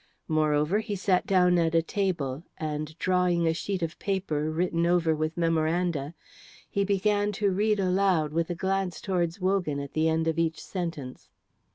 Moreover, he sat down at a table, and drawing a sheet of paper written over with memoranda, he began to read aloud with a glance towards Wogan at the end of each sentence.